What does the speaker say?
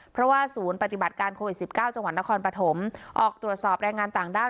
เพราะว่าศูนย์ปฏิบัติการโควิด๑๙จังหวัดนครปฐมออกตรวจสอบแรงงานต่างด้าว